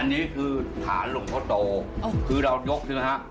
อันนี้คือฐานหลวงพ่อโตคือเรายกใช่ไหมฮะ